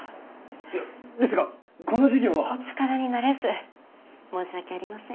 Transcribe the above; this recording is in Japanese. いやですがこの事業は。お力になれず申し訳ありません。